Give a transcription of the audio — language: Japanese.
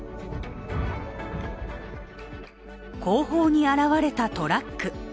後方に現れたトラック。